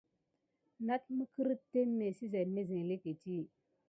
Nat migurin témé sisene məglekini.